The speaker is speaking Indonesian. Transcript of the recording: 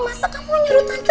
masa kamu nyuruh tante